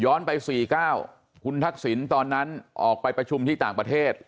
ย้อนไปสี่ก้าวคุณทักษิณตอนนั้นออกไปประชุมที่ต่างประเทศ